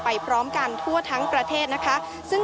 พาคุณผู้ชมไปติดตามบรรยากาศกันที่วัดอรุณราชวรรมหาวิหารค่ะ